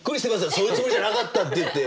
そういうつもりじゃなかったっていって！